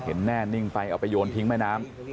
เห็นแน่นิ่งไฟออกไปโยนทิ้งแม่น้ำ